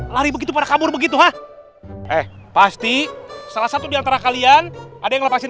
lari begitu pada kabur begitu ah eh pasti salah satu diantara kalian ada yang lepasin